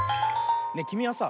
ねえきみはさ